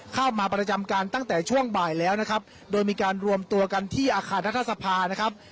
เข้ามาประจำการตั้งแต่ช่วงบ่ายแล้วนะครับโดยมีการรวมตัวกันที่อาคารรัฐสภานะครับ